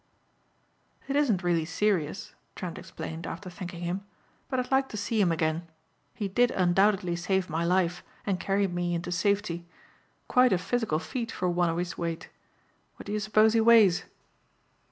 "It isn't really serious," Trent explained after thanking him, "but I'd like to see him again. He did undoubtedly save my life and carried me into safety. Quite a physical feat for one of his weight. What do you suppose he weighs?"